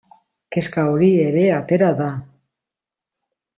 Kezka hori ere atera da.